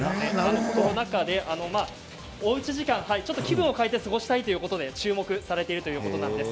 コロナ禍で、おうち時間気分を変えて過ごしたいということで注目されているということです。